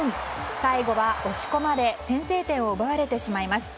最後は押し込まれ先制点を奪われてしまいます。